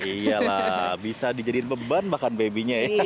iya lah bisa dijadiin beban makan babynya ya